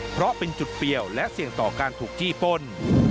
เพราะเป็นจุดเปรียวและเสี่ยงต่อการถูกจี้ป้น